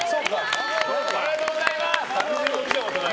ありがとうございます。